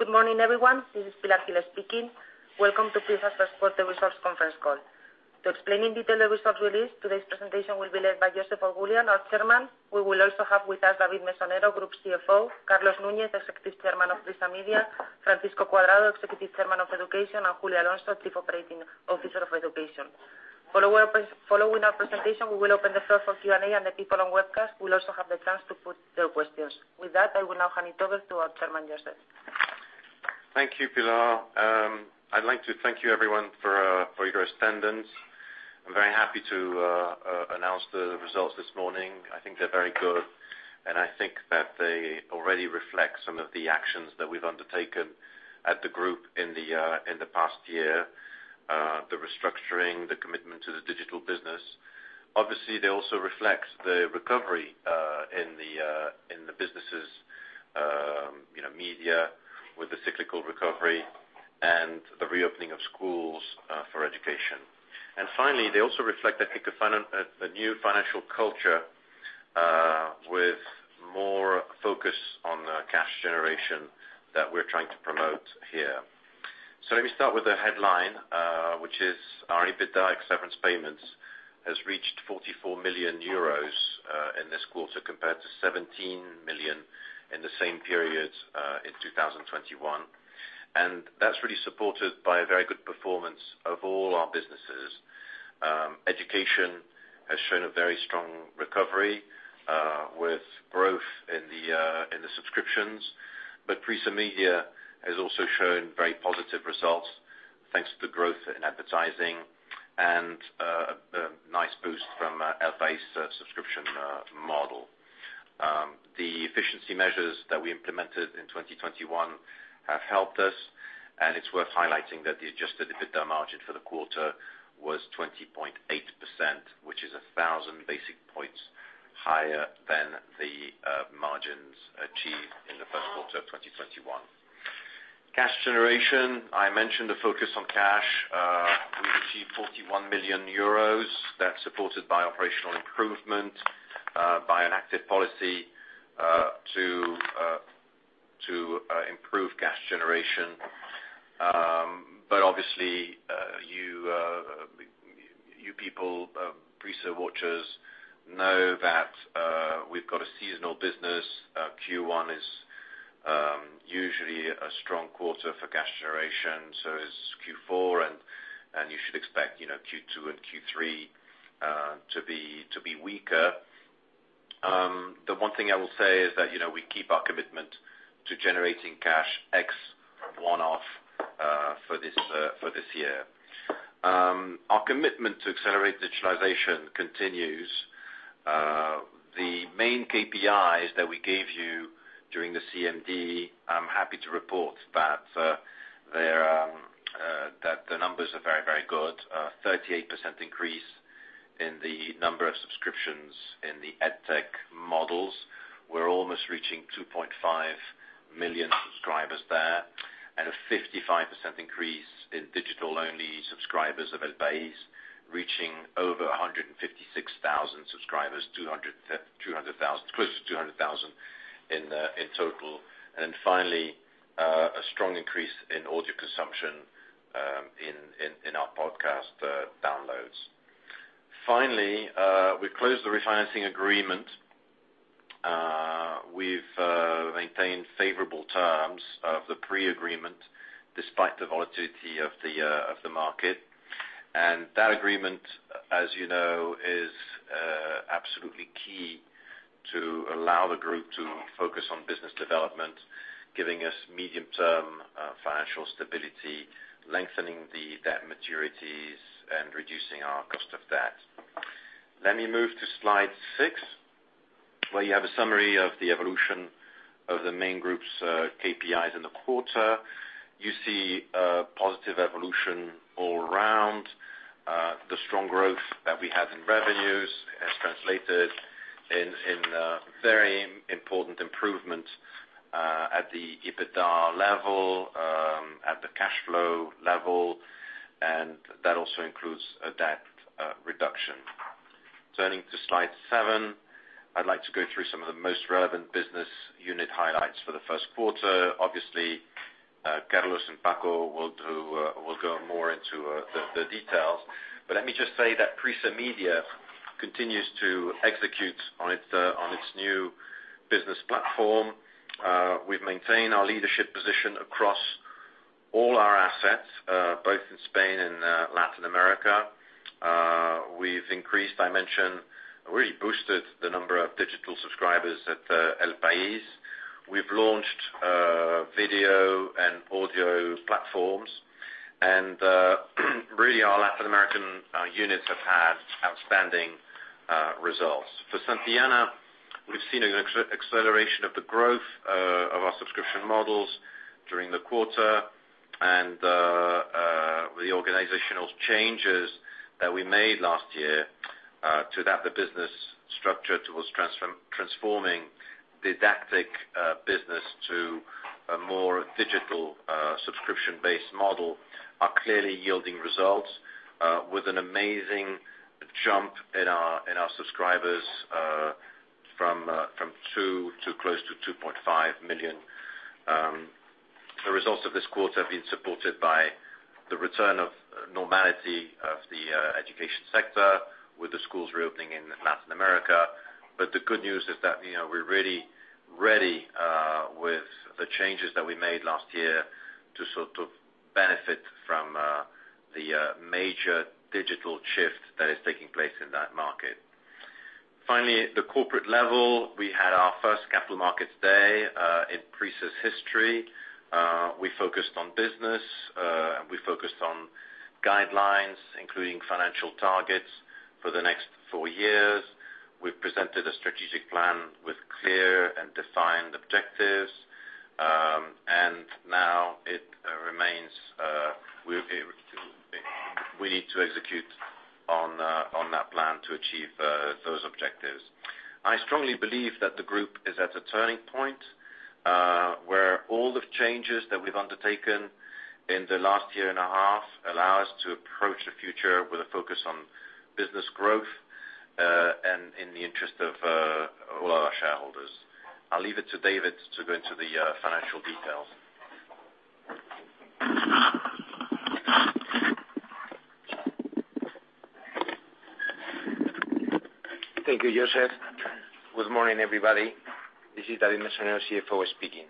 Good morning, everyone. This is Pilar Gil speaking. Welcome to PRISA's first quarter results conference call. To explain in detail the results released, today's presentation will be led by Joseph Oughourlian, our Chairman. We will also have with us David Mesonero, Group CFO, Carlos Nuñez Murias, Executive Chairman of PRISA Media, Francisco Cuadrado, Executive Chairman of Education, and Julio Alonso Peña, Chief Operating Officer of Education. Following our presentation, we will open the floor for Q&A, and the people on webcast will also have the chance to put their questions. With that, I will now hand it over to our Chairman, Joseph Oughourlian. Thank you, Pilar. I'd like to thank everyone for your attendance. I'm very happy to announce the results this morning. I think they're very good, and I think that they already reflect some of the actions that we've undertaken at the group in the past year, the restructuring, the commitment to the digital business. Obviously, they also reflect the recovery in the businesses, you know, media with the cyclical recovery and the reopening of schools for education. Finally, they also reflect, I think, a new financial culture with more focus on cash generation that we're trying to promote here. Let me start with the headline, which is our EBITDA ex-severance payments, has reached 44 million euros in this quarter compared to 17 million in the same period in 2021. That's really supported by a very good performance of all our businesses. Education has shown a very strong recovery with growth in the subscriptions. PRISA Media has also shown very positive results thanks to the growth in advertising and a nice boost from El País subscription model. The efficiency measures that we implemented in 2021 have helped us, and it's worth highlighting that the adjusted EBITDA margin for the quarter was 20.8%, which is 1,000 basis points higher than the margins achieved in the first quarter of 2021. Cash generation. I mentioned the focus on cash. We've achieved 41 million euros. That's supported by operational improvement by an active policy to improve cash generation. Obviously, you people, PRISA watchers know that we've got a seasonal business. Q1 is usually a strong quarter for cash generation, so is Q4 and you should expect, you know, Q2 and Q3 to be weaker. The one thing I will say is that, you know, we keep our commitment to generating cash ex one-off for this year. Our commitment to accelerate digitalization continues. The main KPIs that we gave you during the CMD. I'm happy to report that the numbers are very, very good. 38% increase in the number of subscriptions in the EdTech models. We're almost reaching 2.5 million subscribers there, and a 55% increase in digital-only subscribers of El País, reaching over 156,000 subscribers, close to 200,000 in our podcast downloads. Finally, we've closed the refinancing agreement. We've maintained favorable terms of the pre-agreement despite the volatility of the market. That agreement, as you know, is absolutely key to allow the group to focus on business development, giving us medium-term financial stability, lengthening the debt maturities and reducing our cost of debt. Let me move to slide six, where you have a summary of the evolution of the main group's KPIs in the quarter. You see a positive evolution all around. The strong growth that we have in revenues has translated into a very important improvement at the EBITDA level, at the cash flow level, and that also includes a debt reduction. Turning to slide seven, I'd like to go through some of the most relevant business unit highlights for the first quarter. Obviously, Carlos and Paco will go more into the details. Let me just say that PRISA Media continues to execute on its new business platform. We've maintained our leadership position across all our assets, both in Spain and Latin America. We've increased, I mentioned, really boosted the number of digital subscribers at El País. We've launched video and audio platforms. Really, our Latin American units have had outstanding results. For Santillana, we've seen an acceleration of the growth of our subscription models during the quarter and the organizational changes that we made last year to adapt the business structure towards transforming didactic business to a more digital subscription-based model are clearly yielding results, with an amazing jump in our subscribers from two to close to 2.5 million. The results of this quarter have been supported by the return of normality of the education sector, with the schools reopening in Latin America. The good news is that, you know, we're really ready with the changes that we made last year to sort of benefit from the major digital shift that is taking place in that market. Finally, the corporate level, we had our first Capital Markets Day in PRISA history. We focused on business and we focused on guidelines, including financial targets for the next four years. We presented a strategic plan with clear and defined objectives. We need to execute on that plan to achieve those objectives. I strongly believe that the group is at a turning point, where all the changes that we've undertaken in the last year and a half allow us to approach the future with a focus on business growth, and in the interest of, all our shareholders. I'll leave it to David to go into the, financial details. Thank you, Joseph. Good morning, everybody. This is David Mesonero, CFO speaking.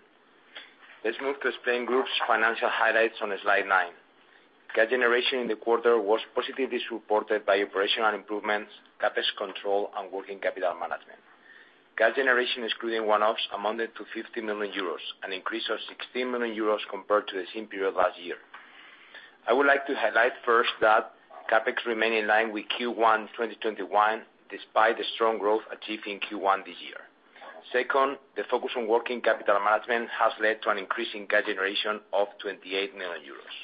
Let's move to explain group's financial highlights on slide nine. Cash generation in the quarter was positively supported by operational improvements, CapEx control, and working capital management. Cash generation excluding one-offs amounted to 50 million euros, an increase of 16 million euros compared to the same period last year. I would like to highlight first that CapEx remained in line with Q1 2021, despite the strong growth achieved in Q1 this year. Second, the focus on working capital management has led to an increase in cash generation of 28 million euros.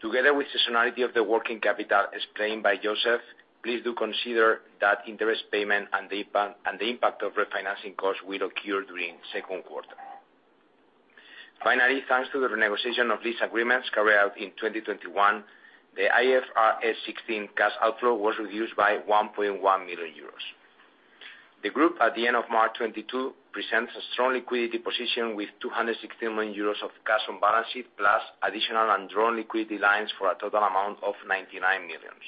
Together with the seasonality of the working capital explained by Joseph, please do consider that interest payment and the impact of refinancing costs will occur during second quarter. Finally, thanks to the renegotiation of lease agreements carried out in 2021, the IFRS 16 cash outflow was reduced by 1.1 million euros. The group, at the end of March 2022, presents a strong liquidity position with 216 million euros of cash on balance sheet, plus additional and drawn liquidity lines for a total amount of 99 million.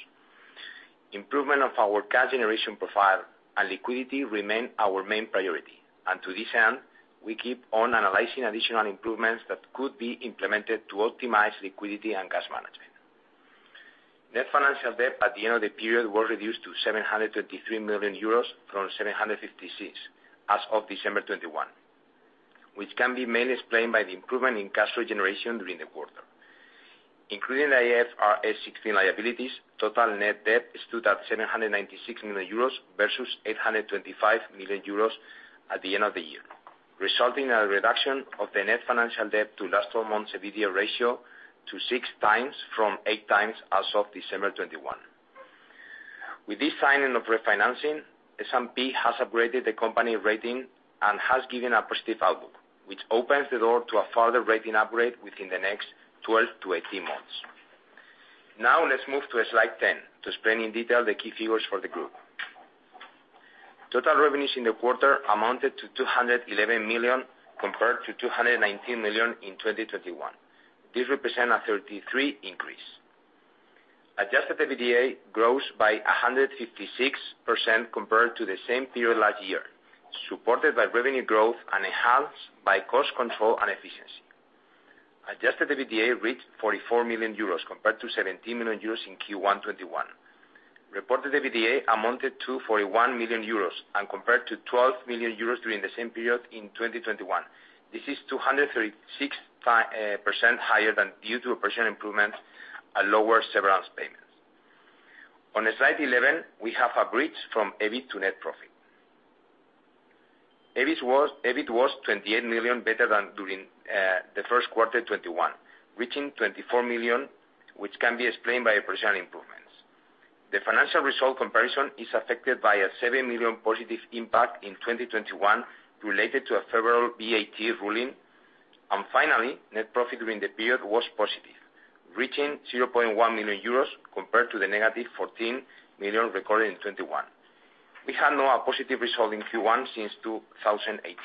Improvement of our cash generation profile and liquidity remain our main priority, and to this end, we keep on analyzing additional improvements that could be implemented to optimize liquidity and cash management. Net financial debt at the end of the period was reduced to 733 million euros from 756 as of December 2021, which can be mainly explained by the improvement in cash flow generation during the quarter. Including the IFRS 16 liabilities, total net debt stood at 796 million euros versus 825 million euros at the end of the year, resulting in a reduction of the net financial debt to last 12 months EBITDA ratio to 6x from 8x as of December 2021. With this signing of refinancing, S&P has upgraded the company rating and has given a positive outlook, which opens the door to a further rating upgrade within the next 12-18 months. Now, let's move to slide 10 to explain in detail the key figures for the group. Total revenues in the quarter amounted to 211 million, compared to 219 million in 2021. This represents a 33% increase. Adjusted EBITDA grows by 156% compared to the same period last year, supported by revenue growth and enhanced by cost control and efficiency. Adjusted EBITDA reached 44 million euros compared to 17 million euros in Q1 2021. Reported EBITDA amounted to 41 million euros compared to 12 million euros during the same period in 2021. This is 236% higher, due to operational improvements and lower severance payments. On slide 11, we have a bridge from EBIT to net profit. EBIT was 28 million better than during the first quarter 2021, reaching 24 million, which can be explained by operational improvements. The financial result comparison is affected by a 7 million positive impact in 2021 related to a favorable VAT ruling. Finally, net profit during the period was positive, reaching 0.1 million euros compared to the negative 14 million recorded in 2021. We have now a positive result in Q1 since 2018.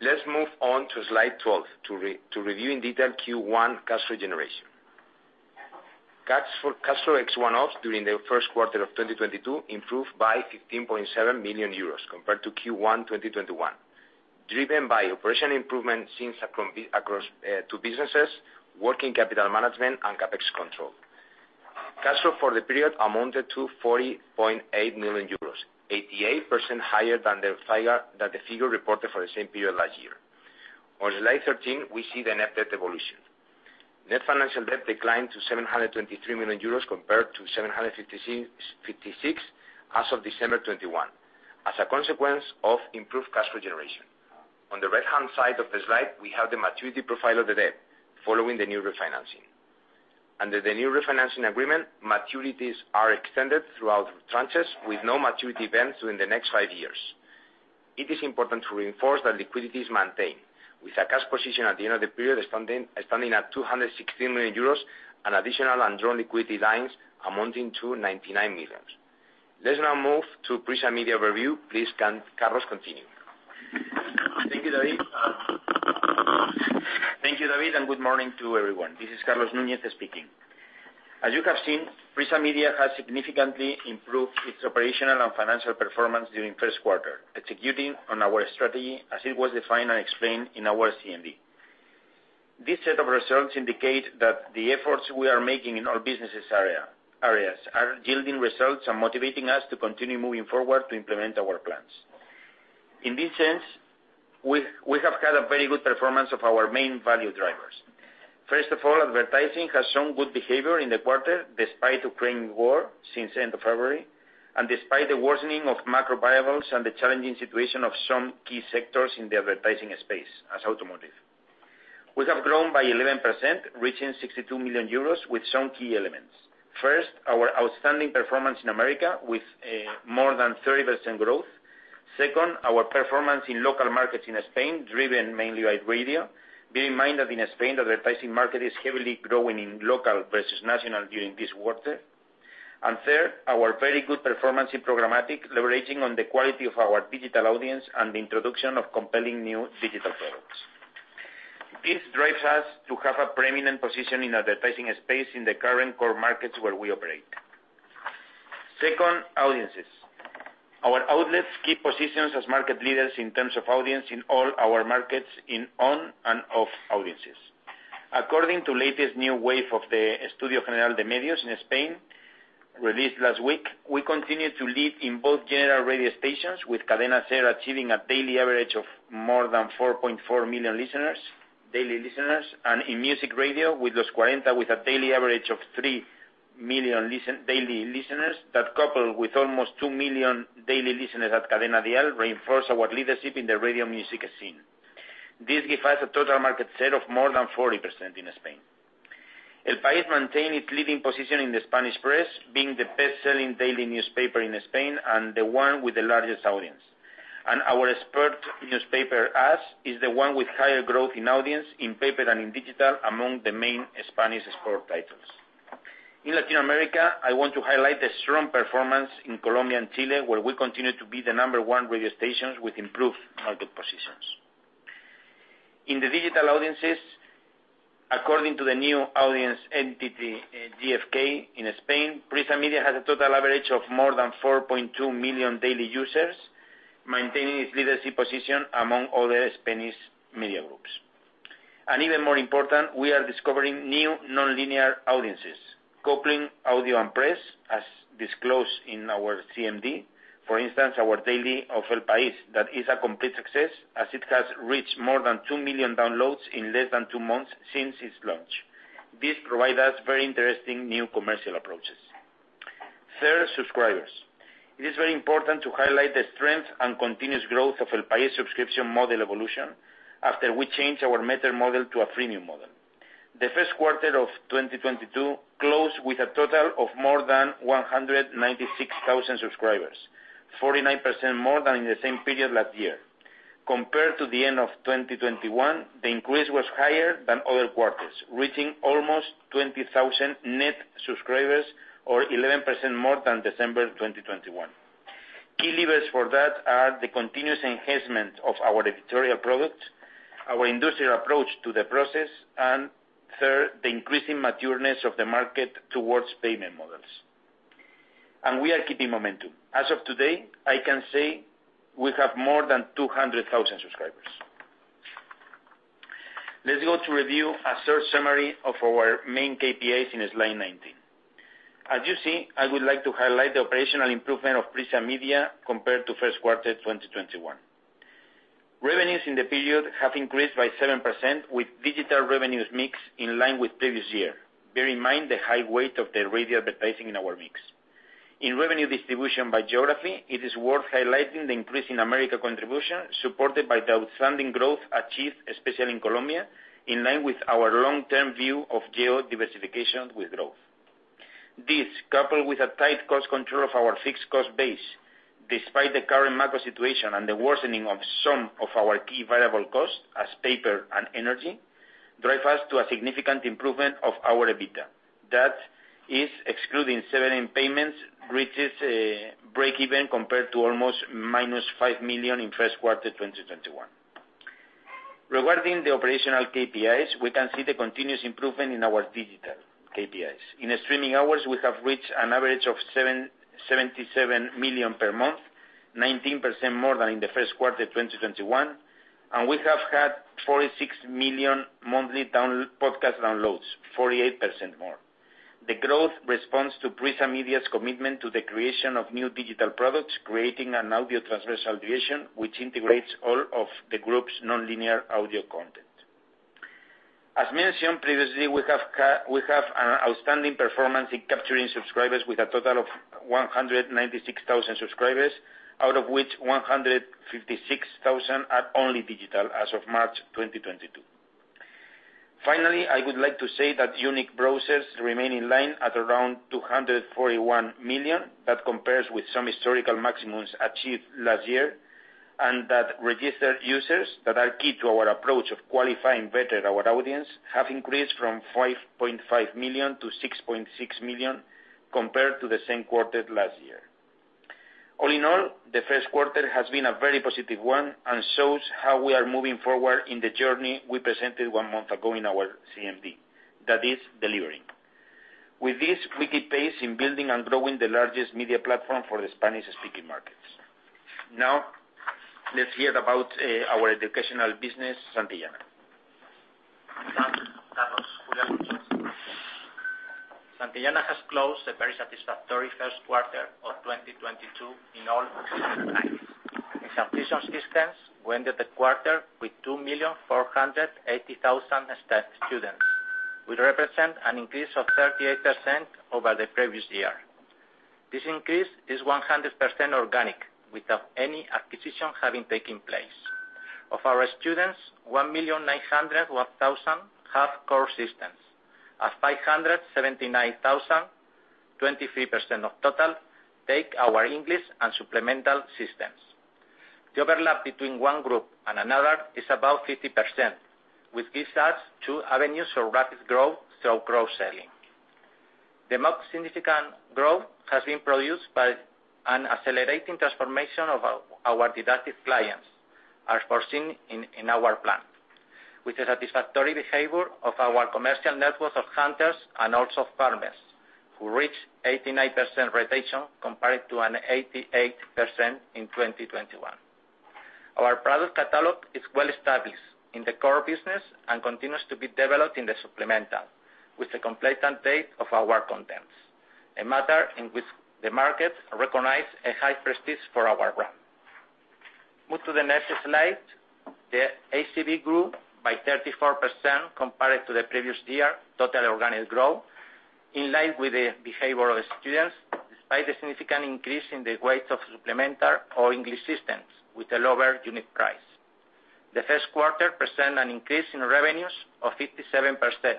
Let's move on to slide 12 to review in detail Q1 cash flow generation. Cash flow ex one-offs during the first quarter of 2022 improved by 15.7 million euros compared to Q1 2021, driven by operational improvements seen across our businesses, working capital management, and CapEx control. Cash flow for the period amounted to 40.8 million euros, 88% higher than the figure reported for the same period last year. On slide 13, we see the net debt evolution. Net financial debt declined to 723 million euros compared to 756 million as of December 2021, as a consequence of improved cash flow generation. On the right-hand side of the slide, we have the maturity profile of the debt following the new refinancing. Under the new refinancing agreement, maturities are extended throughout tranches with no maturity events within the next five years. It is important to reinforce that liquidity is maintained, with our cash position at the end of the period standing at 260 million euros and additional undrawn liquidity lines amounting to 99 million. Let's now move to PRISA Media overview. Please, Carlos, continue. Thank you, David, and good morning to everyone. This is Carlos Nuñez speaking. As you have seen, PRISA Media has significantly improved its operational and financial performance during first quarter, executing on our strategy as it was defined and explained in our CMD. This set of results indicate that the efforts we are making in our business areas are yielding results and motivating us to continue moving forward to implement our plans. In this sense, we have had a very good performance of our main value drivers. First of all, advertising has shown good behavior in the quarter despite Ukraine war since end of February, and despite the worsening of macro variables and the challenging situation of some key sectors in the advertising space as automotive. We have grown by 11%, reaching 62 million euros with some key elements. First, our outstanding performance in America with more than 30% growth. Second, our performance in local markets in Spain, driven mainly by radio. Bear in mind that in Spain, the advertising market is heavily growing in local versus national during this quarter. Third, our very good performance in programmatic, leveraging on the quality of our digital audience and the introduction of compelling new digital products. This drives us to have a prominent position in advertising space in the current core markets where we operate. Second, audiences. Our outlets keep positions as market leaders in terms of audience in all our markets in online and offline audiences. According to the latest new wave of the Estudio General de Medios in Spain, released last week, we continue to lead in both general radio stations, with Cadena SER achieving a daily average of more than 4.4 million listeners, and in music radio with Los 40, with a daily average of three million daily listeners, that coupled with almost two million daily listeners at Cadena Dial reinforce our leadership in the radio music scene. This gives us a total market share of more than 40% in Spain. El País maintains its leading position in the Spanish press, being the best-selling daily newspaper in Spain and the one with the largest audience. Our sport newspaper, AS, is the one with higher growth in audience in paper and in digital among the main Spanish sport titles. In Latin America, I want to highlight the strong performance in Colombia and Chile, where we continue to be the number one radio stations with improved market positions. In the digital audiences, according to the new audience entity, GfK in Spain, PRISA Media has a total average of more than 4.2 million daily users, maintaining its leadership position among other Spanish media groups. Even more important, we are discovering new nonlinear audiences, coupling audio and press, as disclosed in our CMD. For instance, our daily of El País, that is a complete success, as it has reached more than two million downloads in less than two months since its launch. This provide us very interesting new commercial approaches. Third, subscribers. It is very important to highlight the strength and continuous growth of El País subscription model evolution after we changed our meter model to a freemium model. The first quarter of 2022 closed with a total of more than 196,000 subscribers, 49% more than in the same period last year. Compared to the end of 2021, the increase was higher than other quarters, reaching almost 20,000 net subscribers or 11% more than December 2021. Key levers for that are the continuous enhancement of our editorial product, our industrial approach to the process, and third, the increasing matureness of the market towards payment models. We are keeping momentum. As of today, I can say we have more than 200,000 subscribers. Let's go to review a short summary of our main KPIs in slide 19. As you see, I would like to highlight the operational improvement of PRISA Media compared to first quarter 2021. Revenues in the period have increased by 7% with digital revenues mix in line with previous year. Bear in mind the high weight of the radio advertising in our mix. In revenue distribution by geography, it is worth highlighting the increase in America contribution, supported by the outstanding growth achieved, especially in Colombia, in line with our long-term view of geo diversification with growth. This, coupled with a tight cost control of our fixed cost base, despite the current macro situation and the worsening of some of our key variable costs, as paper and energy, drive us to a significant improvement of our EBITDA. That is, excluding severance payments, reaches breakeven compared to almost -5 million in first quarter 2021. Regarding the operational KPIs, we can see the continuous improvement in our digital KPIs. In streaming hours, we have reached an average of 77 million per month, 19% more than in the first quarter 2021, and we have had 46 million monthly podcast downloads, 48% more. The growth responds to PRISA Media's commitment to the creation of new digital products, creating an audio transversal division which integrates all of the group's nonlinear audio content. As mentioned previously, we have an outstanding performance in capturing subscribers with a total of 196,000 subscribers, out of which 156,000 are only digital as of March 2022. Finally, I would like to say that unique browsers remain in line at around 241 million. That compares with some historical maximums achieved last year, and that registered users that are key to our approach of qualifying better our audience, have increased from 5.5 million to 6.6 million compared to the same quarter last year. All in all, the first quarter has been a very positive one and shows how we are moving forward in the journey we presented one month ago in our CMD, that is delivering. With this, we keep pace in building and growing the largest media platform for the Spanish-speaking markets. Now, let's hear about our educational business, Santillana. Thank you, Carlos. Julio, please. Santillana has closed a very satisfactory first quarter of 2022 in all lines. In subscription systems, we ended the quarter with 2,480,000 students, which represent an increase of 38% over the previous year. This increase is 100% organic without any acquisition having taken place. Of our students, 1,901,000 have core systems. And 579,000, 23% of total, take our English and supplemental systems. The overlap between one group and another is about 50%, which gives us two avenues for rapid growth, so cross-selling. The most significant growth has been produced by an accelerating transformation of our dedicated clients, as foreseen in our plan. With the satisfactory behavior of our commercial network of hunters and also farmers, who reach 89% retention compared to an 88% in 2021. Our product catalog is well established in the core business and continues to be developed in the supplemental with the complete update of our contents, a matter in which the market recognizes a high prestige for our brand. Move to the next slide. The ACV grew by 34% compared to the previous year, total organic growth, in line with the behavior of the students, despite the significant increase in the weight of supplemental or English systems with a lower unit price. The first quarter presents an increase in revenues of 57%,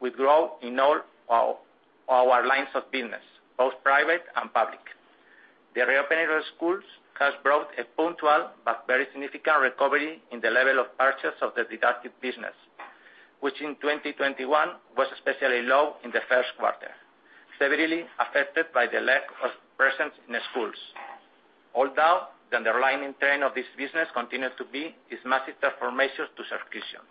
with growth in all our lines of business, both private and public. The reopening of schools has brought a punctual but very significant recovery in the level of purchase of the dedicated business, which in 2021 was especially low in the first quarter, severely affected by the lack of presence in the schools. Although, the underlying trend of this business continues to be this massive transformation to subscriptions.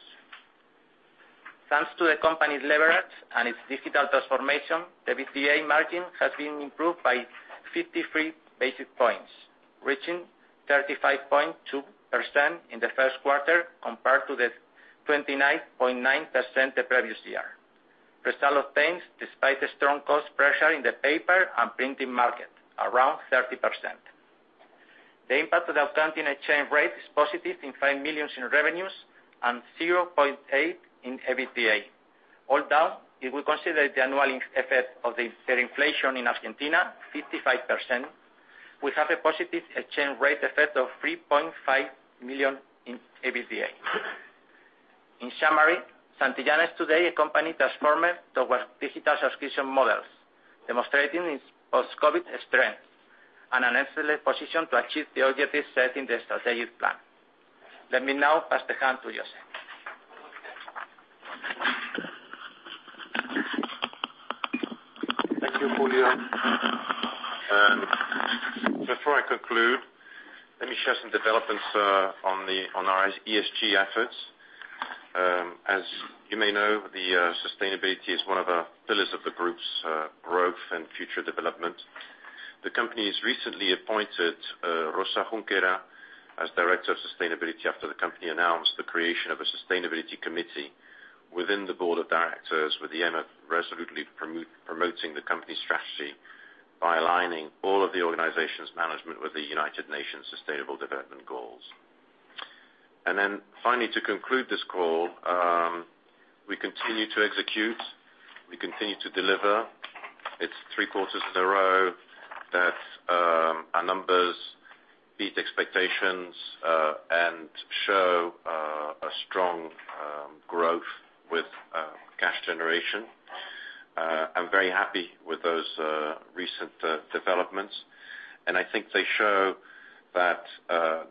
Thanks to the company's leverage and its digital transformation, the EBITDA margin has been improved by 53 basis points, reaching 35.2% in the first quarter compared to the 29.9% the previous year. For sale of things, despite the strong cost pressure in the paper and printing market, around 30%. The impact of the Argentine exchange rate is positive in 5 million in revenues and 0.8 in EBITDA. Without a doubt, if we consider the annual effect of the inflation in Argentina, 55%, we have a positive exchange rate effect of 3.5 million in EBITDA. In summary, Santillana is today a company transformed towards digital subscription models, demonstrating its post-COVID strength and an excellent position to achieve the objectives set in the strategic plan. Let me now pass the hand to Joseph. Thank you, Julio. Before I conclude, let me share some developments on our ESG efforts. As you may know, sustainability is one of the pillars of the group's growth and future development. The company has recently appointed Rosa Junquera as Director of Sustainability after the company announced the creation of a sustainability committee within the board of directors with the aim of resolutely promoting the company strategy by aligning all of the organization's management with the United Nations Sustainable Development Goals. Then finally, to conclude this call, we continue to execute, we continue to deliver. It's three quarters in a row that our numbers beat expectations and show a strong growth with cash generation. I'm very happy with those recent developments, and I think they show that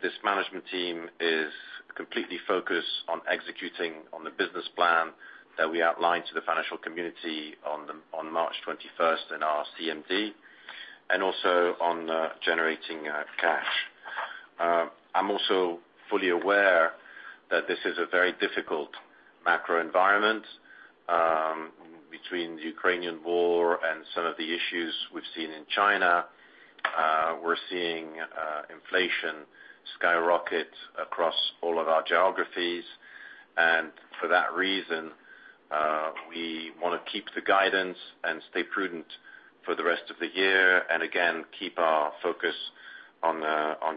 this management team is completely focused on executing on the business plan that we outlined to the financial community on March 21st in our CMD, and also on generating cash. I'm also fully aware that this is a very difficult macro environment, between the Ukrainian war and some of the issues we've seen in China. We're seeing inflation skyrocket across all of our geographies. For that reason, we wanna keep the guidance and stay prudent for the rest of the year, and again, keep our focus on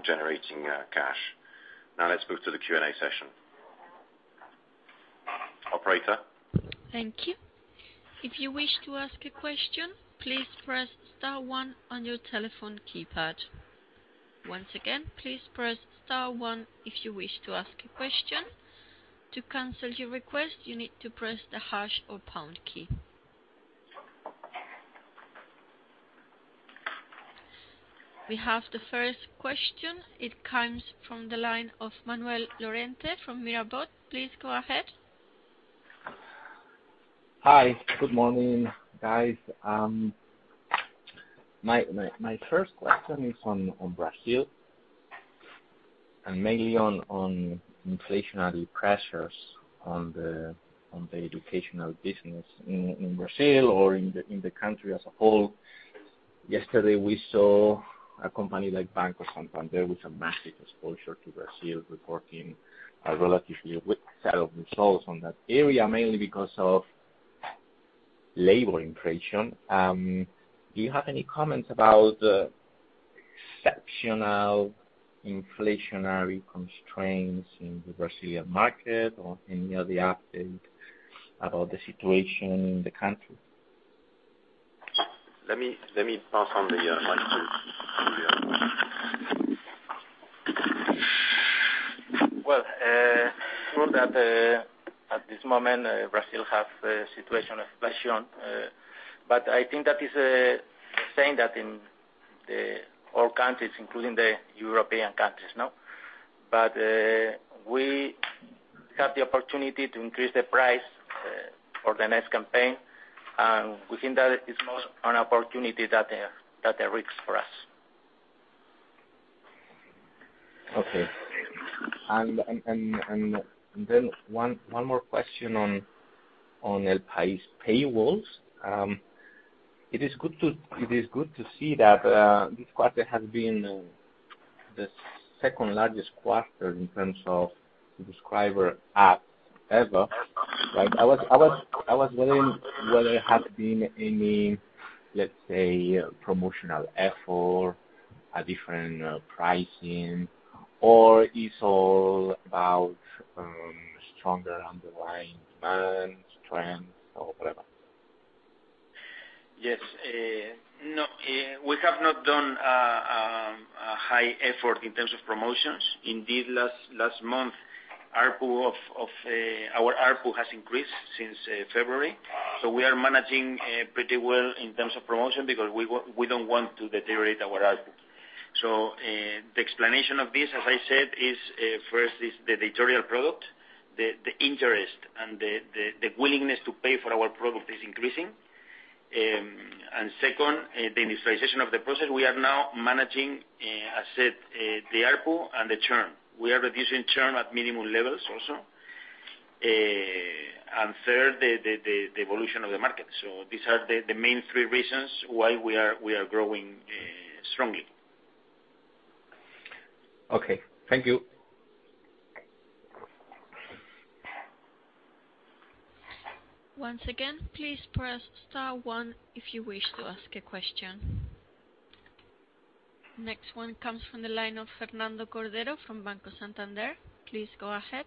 generating cash. Now let's move to the Q&A session. Operator? We have the first question. It comes from the line of Manuel Lorente from Mirabaud. Please go ahead. Hi. Good morning, guys. My first question is on Brazil and mainly on inflationary pressures on the educational business in Brazil or in the country as a whole. Yesterday, we saw a company like Banco Santander with a massive exposure to Brazil reporting a relatively weak set of results on that area, mainly because of labor inflation. Do you have any comments about the exceptional inflationary constraints in the Brazilian market or any other update about the situation in the country? Let me pass on the mic to Julio. Well, true that at this moment Brazil have a situation of inflation. I think that is the same as in all countries, including the European countries, no? We have the opportunity to increase the price for the next campaign, and we think that is more an opportunity than a risk for us. Okay. Then one more question on El País paywalls. It is good to see that this quarter has been the second largest quarter in terms of subscriber add ever. I was wondering whether there has been any, let's say, promotional effort, a different pricing, or is it all about stronger underlying demand trends or whatever. Yes. No, we have not done a high effort in terms of promotions. Indeed, last month, our ARPU has increased since February. We are managing pretty well in terms of promotion because we don't want to deteriorate our ARPU. The explanation of this, as I said, is first the editorial product. The interest and the willingness to pay for our product is increasing. Second, the industrialization of the process, we are now managing, I said, the ARPU and the churn. We are reducing churn at minimum levels also. Third, the evolution of the market. These are the main three reasons why we are growing strongly. Okay. Thank you. Once again, please press star one if you wish to ask a question. Next one comes from the line of Fernando Cordero from Banco Santander. Please go ahead.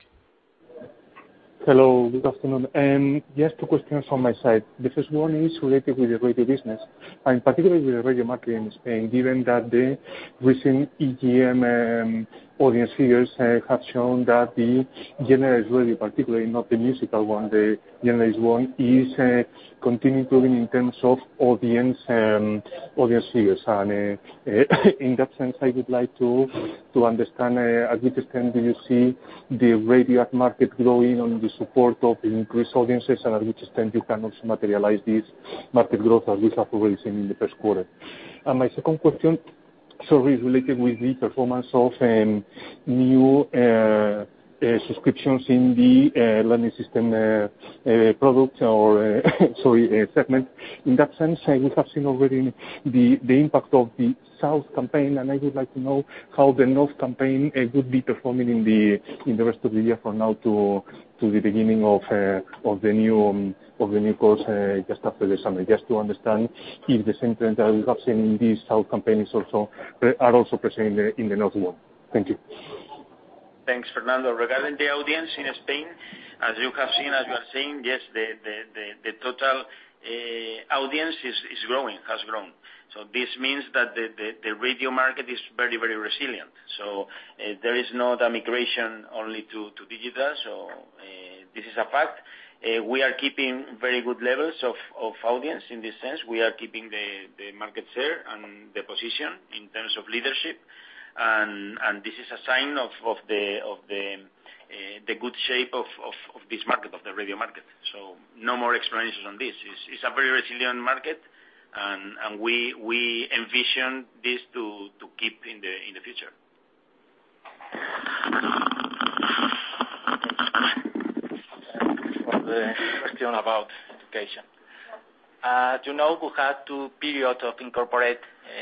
Hello. Good afternoon. Just two questions from my side. The first one is related with the radio business and particularly with the radio market in Spain, given that the recent EGM audience figures have shown that the generalized radio, particularly not the musical one, the generalized one, is continue growing in terms of audience figures. In that sense, I would like to understand at which extent do you see the radio ad market growing on the support of increased audiences? And at which extent you can also materialize this market growth as we have already seen in the first quarter? My second question is related with the performance of new subscriptions in the learning system product or, sorry, segment. In that sense, we have seen already the impact of the south campaign, and I would like to know how the north campaign would be performing in the rest of the year from now to the beginning of the new course just after the summer. Just to understand if the same trend that we have seen in these south campaigns also are also present in the north one. Thank you. Thanks, Fernando. Regarding the audience in Spain, as you have seen, as you are seeing, yes, the total audience is growing, has grown. This means that the radio market is very resilient. There is no migration only to digital. This is a fact. We are keeping very good levels of audience in this sense. We are keeping the market share and the position in terms of leadership. This is a sign of the good shape of this market, of the radio market. No more explanations on this. It's a very resilient market, and we envision this to keep in the future. For the question about education. You know we have two periods of incorporate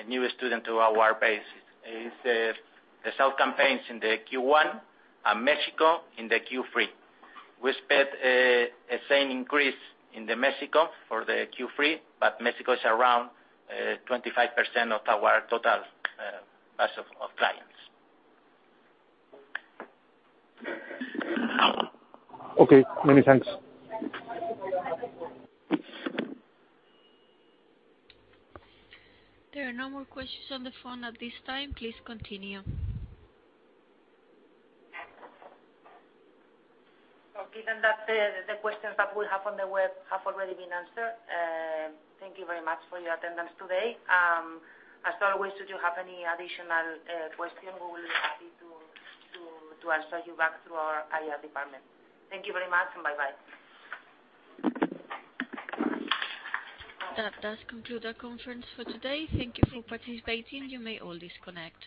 new student to our base, it's the south campaigns in the Q1 and Mexico in the Q3. We expect a same increase in the Mexico for the Q3, but Mexico is around 25% of our total base of clients. Okay. Many thanks. There are no more questions on the phone at this time. Please continue. Given that the questions that we have on the web have already been answered, thank you very much for your attendance today. As always, should you have any additional question, we will be happy to answer you back through our IR department. Thank you very much and bye-bye. That does conclude our conference for today. Thank you for participating. You may all disconnect.